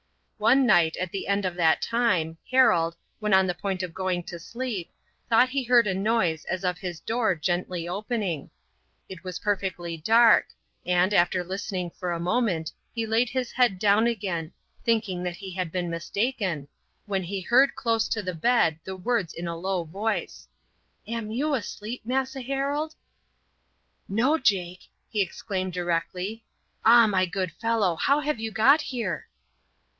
One night at the end of that time Harold, when on the point of going to sleep, thought he heard a noise as of his door gently opening. It was perfectly dark, and, after listening for a moment he laid his head down again, thinking that he had been mistaken, when he heard close to the bed the words in a low voice: "Am you asleep, Massa Harold?" "No, Jake," he exclaimed directly. "Ah, my good fellow! how have you got here?"